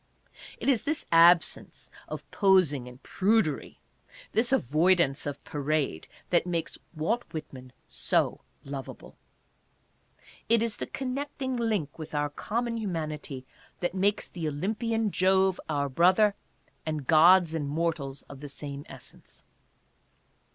It is this absence of posing and prudery, this avoidance of parade, that makes Walt Whitman so lovable. It is the connecting link with our common humanity that makes the Olympian Jove our brother, and gods and mortals of the same essence.